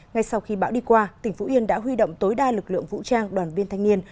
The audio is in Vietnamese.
ngay sau khi bão đi qua tỉnh phú yên đã huy động tối đa lực lượng vũ trang đoàn viên thanh niên